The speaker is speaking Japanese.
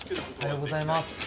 おはようございます。